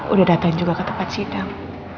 udah datang juga ke tempat sidang